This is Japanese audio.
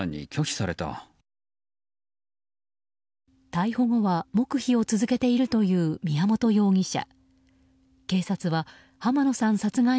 逮捕後は黙秘を続けているという宮本容疑者。